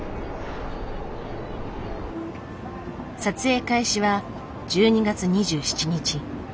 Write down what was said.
撮影開始は１２月２７日。